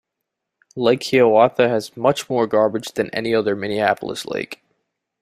Lake Hiawatha has much more garbage than any other Minneapolis lake.